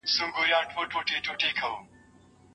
تاسو بايد په دې لوبه کې تل د ګټونکي رول ولوبوئ.